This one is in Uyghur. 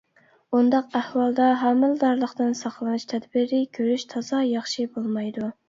ئۇنداق ئەھۋالدا ھامىلىدارلىقتىن ساقلىنىش تەدبىرى كۆرۈش تازا ياخشى بولمايدۇ.